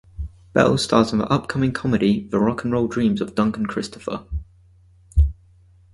Bell stars in the upcoming comedy "The Rock 'n Roll Dreams of Duncan Christopher".